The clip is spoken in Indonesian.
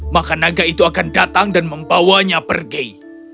maka naga itu akan datang dan membawanya pergi